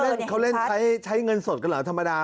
เล่นเขาเล่นใช้เงินสดกันเหรอธรรมดา